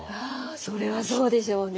それはそうでしょうね。